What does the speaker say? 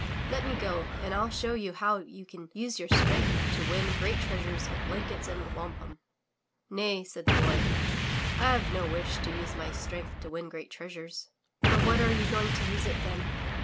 Let me go and ril show you how you can use your strength to win great treasures of blankets and wampum.'' "Nay," said the Boy, "I have no wish to use my strength to win great treasures." "For what are you going to use it then?"